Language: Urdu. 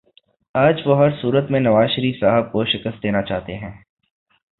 آج وہ ہر صورت میں نوازشریف صاحب کو شکست دینا چاہتے ہیں